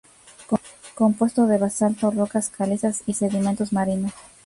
Compuesto de basalto, rocas calizas y sedimentos marinos.